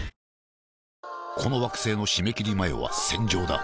この惑星の締め切り前は戦場だ